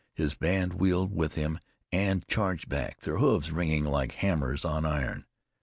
His band wheeled with him and charged back, their hoofs ringing like hammers on iron.